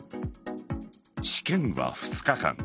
試験は２日間。